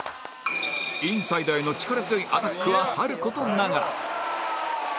インサイドへの力強いアタックはさる事ながら